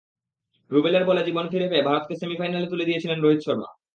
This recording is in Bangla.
রুবেলের বলে জীবন ফিরে পেয়ে ভারতকে সেমিফাইনালে তুলে দিয়েছিলেন রোহিত শর্মা।